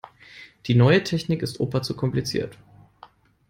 Die neue Technik ist Opa zu kompliziert.